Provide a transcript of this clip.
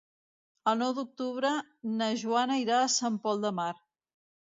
El nou d'octubre na Joana irà a Sant Pol de Mar.